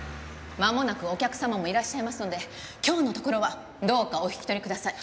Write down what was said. まもなくお客様もいらっしゃいますので今日のところはどうかお引き取りください。